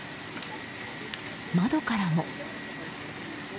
窓からも。